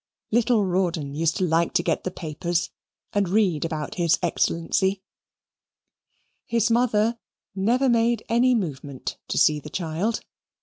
Little Rawdon used to like to get the papers and read about his Excellency. His mother never made any movement to see the child.